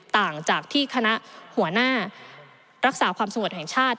ต่างจากที่คณะหัวหน้ารักษาความสงบแห่งชาติ